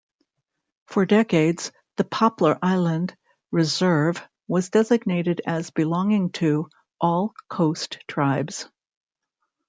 For decades, the Poplar Island reserve was designated as belonging to "all coast tribes".